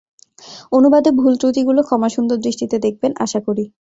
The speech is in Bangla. অনুবাদে ভুল ত্রুটিগুলো ক্ষমাসুন্দর দৃষ্টিতে দেখবেন, আশাকরি।